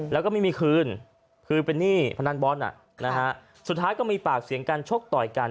แล้วก็ไม่มีคืนคือเป็นหนี้พนันบอลสุดท้ายก็มีปากเสียงกันชกต่อยกัน